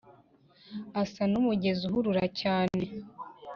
asa n’umugezi uhurura cyane